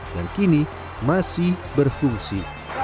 dan kini masih berfungsi